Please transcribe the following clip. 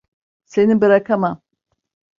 Seni bırakamam.